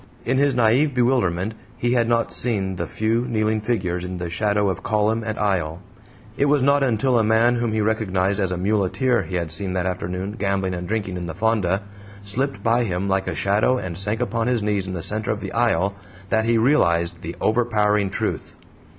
In his naive bewilderment he had not seen the few kneeling figures in the shadow of column and aisle; it was not until a man, whom he recognized as a muleteer he had seen that afternoon gambling and drinking in the fonda, slipped by him like a shadow and sank upon his knees in the center of the aisle that he realized the overpowering truth.